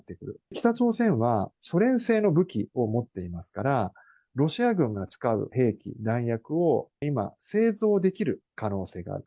北朝鮮は、ソ連製の武器を持っていますから、ロシア軍が使う兵器、弾薬を、今、製造できる可能性がある。